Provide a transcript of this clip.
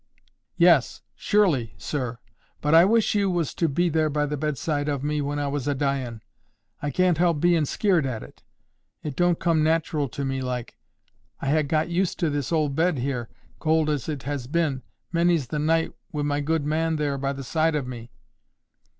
"Yes, surely, sir. But I wish you was to be there by the bedside of me when I was a dyin'. I can't help bein' summat skeered at it. It don't come nat'ral to me, like. I ha' got used to this old bed here, cold as it has been—many's the night—wi' my good man there by the side of me."